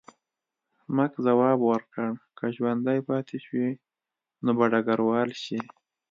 مک ځواب ورکړ، که ژوندی پاتې شوې نو به ډګروال شې.